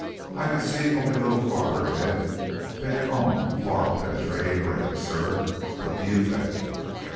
"I can see only a little farther ahead than your own far penetrating brain, sir. What do you think?"